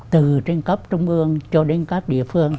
từ trên cấp trung ương cho đến các địa phương